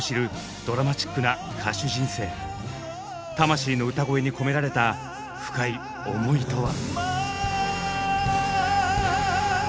魂の歌声に込められた深い思いとは？